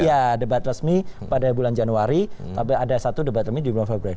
iya debat resmi pada bulan januari tapi ada satu debat resmi di bulan februari